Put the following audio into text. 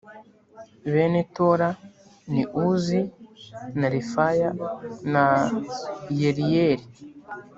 bene tola ni uzi na refaya na yeriyeli